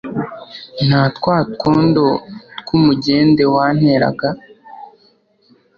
na twa twondo tw'umegende wanteraga